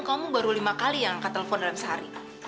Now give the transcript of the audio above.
kamu baru lima kali yang angka telepon dalam sehari